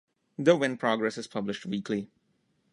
"The Wynne Progress" is published weekly.